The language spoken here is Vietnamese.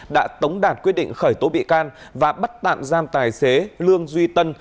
đã tống đạt quyết định khởi tố bị can và bắt tạm giam tài xế lương duy tân